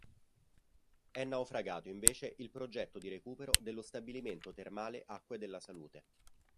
È naufragato invece il progetto di recupero dello Stabilimento termale Acque della Salute.